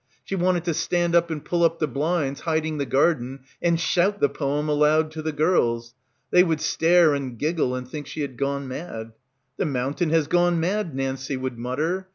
She wanted to stand up — 94 — BACKWATER and pull up the blinds hiding the garden and shout the poem aloud to the girls. They would stare and giggle and think she had gone mad. "The mountain has gone mad," Nancie would mutter.